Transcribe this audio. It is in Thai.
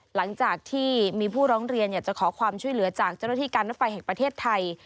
หลังจากที่มีผู้ร้องเรียนอยากจะขอความช่วยเหลือจากเจ้าหน้าที่การรถไฟแห่งประเทศไทย